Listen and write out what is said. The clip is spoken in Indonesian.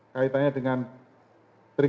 kaitannya dengan dprn